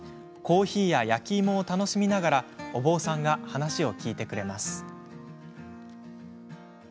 コーヒーや焼き芋を楽しみながらお坊さんが話を聞いてくれます。